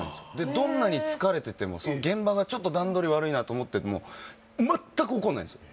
どんなに疲れてても現場がちょっと段取り悪いなと思っても全く怒んないんですよ